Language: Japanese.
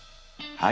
はい。